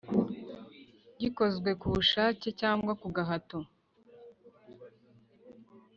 gikozwe ku bushake cyangwa kugahato